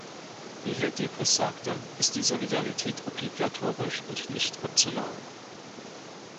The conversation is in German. Wie Herr Deprez sagte, ist die Solidarität obligatorisch und nicht optional.